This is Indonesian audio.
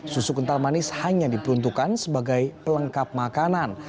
susu kental manis hanya diperuntukkan sebagai pelengkap makanan